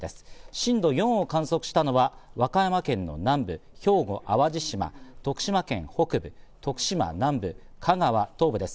震度４を観測したのは和歌山県南部、兵庫・淡路島、徳島県北部、徳島南部、香川東部です。